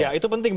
ya itu penting